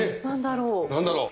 何だろう？